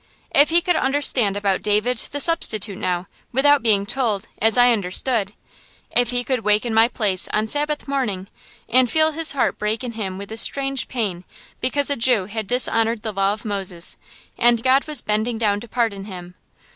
If he could understand about David the Substitute, now, without being told, as I understood. If he could wake in my place on Sabbath morning, and feel his heart break in him with a strange pain, because a Jew had dishonored the law of Moses, and God was bending down to pardon him.